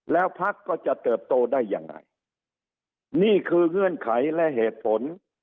แล้วพักก็จะเติบโตได้ยังไงนี่คือเงื่อนไขและเหตุผล